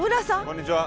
こんにちは。